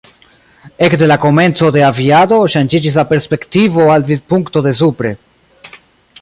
Ekde la komenco de aviado, ŝanĝiĝis la perspektivo al vidpunkto de supre.